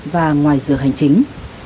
và ngoài dựa hành chính